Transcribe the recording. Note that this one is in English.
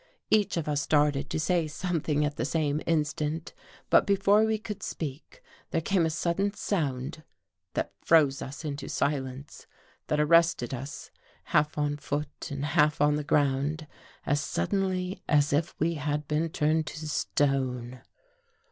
Each of us started to say something at the same instant. But before we could speak, there came a sudden sound that froze us into silence — that ar rested us, half on foot and half on the ground, as suddenly as if we had been turned to stone.